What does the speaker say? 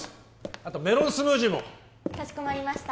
あとメロンスムージーもかしこまりました